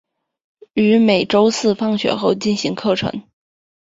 于每周四放学后进行课程。